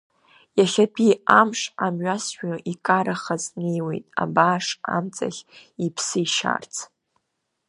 Иахьатәи амш амҩасҩы икарахаз, днеиуеит абааш амҵахь иԥсы ишьарц.